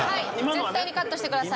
絶対にカットしてください。